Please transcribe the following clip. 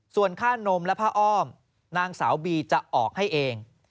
ส่วนค่านมและผ้าอ้อมนางสาวบีจะออกให้เอง